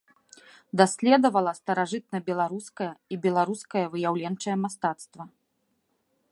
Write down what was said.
Даследавала старажытнабеларускае і беларускае выяўленчае мастацтва.